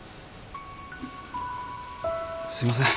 すいません。